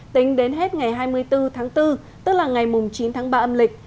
tính đến hết ngày hai mươi bốn tháng bốn tức là ngày chín tháng ba âm lịch